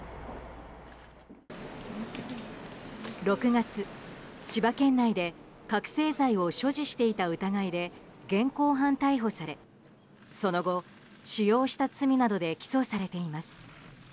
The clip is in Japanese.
６月、千葉県内で覚醒剤を所持していた疑いで現行犯逮捕されその後、使用した罪などで起訴されています。